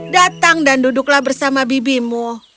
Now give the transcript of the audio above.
datang dan duduklah bersama bibimu